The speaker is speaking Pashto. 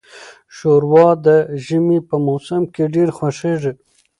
شوروا د ژمي په موسم کې ډیره خوښیږي.